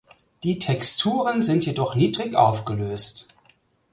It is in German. Die Texturen sind jedoch niedrig aufgelöst.